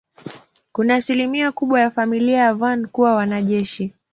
Kuna asilimia kubwa ya familia ya Van kuwa wanajeshi.